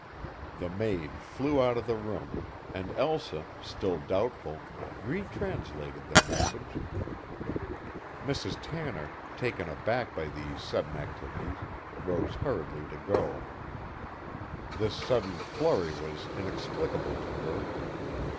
The maid flew out of the room, and Elsa, still doubtful, retranslated the message. Mrs. Tanner, taken aback by these sudden activities, rose hurriedly to go. This sudden flurry was inexplicable to her.